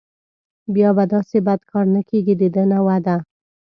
بیا به داسې بد کار نه کېږي دده نه وعده.